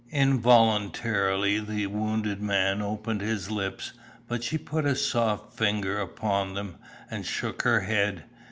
Involuntarily the wounded man opened his lips, but she put a soft finger upon them, and shook her head.